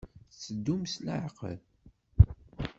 Tetteddum s leɛqel.